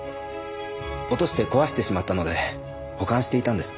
落として壊してしまったので保管していたんです。